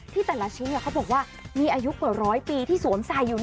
แต่ละชิ้นเขาบอกว่ามีอายุกว่าร้อยปีที่สวมใส่อยู่